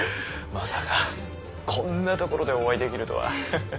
まさかこんな所でお会いできるとは。